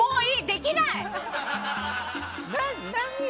できない！